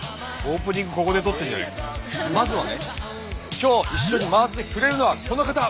今日一緒に回ってくれるのはこの方。